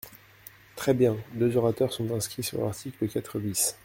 Très bien ! Deux orateurs sont inscrits sur l’article quatre bis.